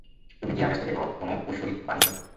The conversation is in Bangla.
তুমি কি আকাশ থেকে কোন ঐশ্বরিক বানি শুনেছ?